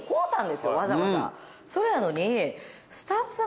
わざわざそれやのに。